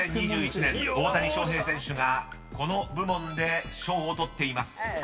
［２０２１年大谷翔平選手がこの部門で賞を取っています］